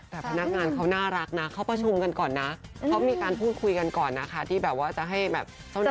แต่พนักงานเขาน่ารักนะเขาประชุมกันก่อนนะเขามีการพูดคุยกันก่อนนะคะที่แบบว่าจะให้แบบเท่านั้น